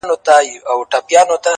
د خپل ژوند په يوه خړه آئينه کي ـ